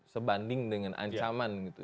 sebanding dengan ancaman gitu